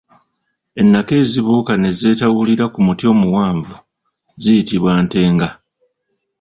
Ennaka ezibuuka ne zeetawulira ku muti omuwanvu ziyitibwa “ntenga”.